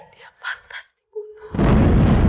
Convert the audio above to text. dia lebih baik mati